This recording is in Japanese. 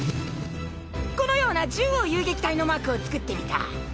このような獣王遊撃隊のマークを作ってみた。